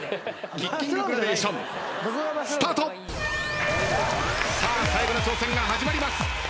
キッキンググラデーションスタート！さあ最後の挑戦が始まります。